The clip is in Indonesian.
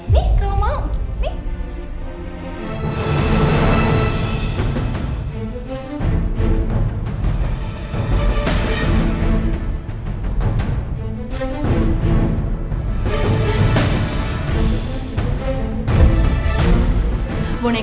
nih kalau mau nih